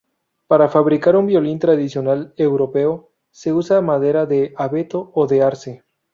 Para fabricar un violín tradicional europeo se usa madera de abeto o de arce.